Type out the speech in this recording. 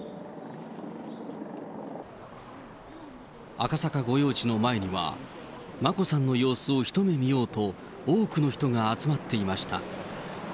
赤坂御用地の前には、眞子さんの様子を一目見ようと、多くの人が集まっていました。